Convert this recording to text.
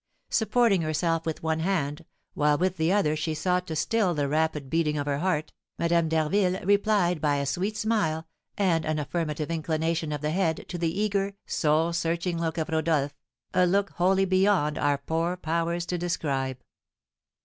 Supporting herself with one hand, while with the other she sought to still the rapid beating of her heart, Madame d'Harville replied by a sweet smile and an affirmative inclination of the head to the eager, soul searching look of Rodolph, a look wholly beyond our poor powers to describe.